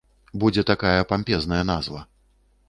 Будзе такая пампезная назва.